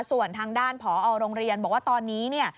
ส่วนทางด้านผอโรงเรียนบอกว่าตอนนี้เนี่ย